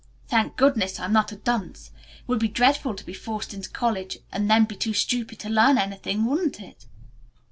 Thank goodness, I'm not a dunce. It would be dreadful to be forced into college and then be too stupid to learn anything, wouldn't it?"